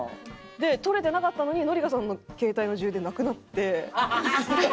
で撮れてなかったのに紀香さんの携帯の充電なくなって。